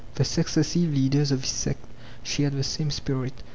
The successive leaders of this sect shared the same spirit.